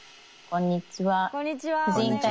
こんにちは。